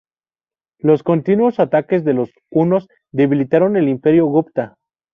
Los continuos ataques de los hunos debilitaron el imperio Gupta.